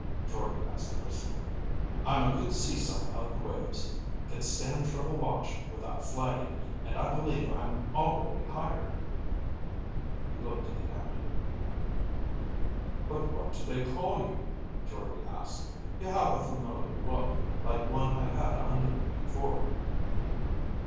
Jordde asked Urson. "I'm a good sea son of the waves, can stand triple watch without flagging, and I believe I'm already hired." He looked to the captain. "But what do they call you?" Jordde asked. "You have a familiar look, like one I've had under me before."